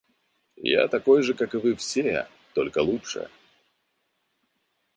Я такой же, как и вы все, только лучше.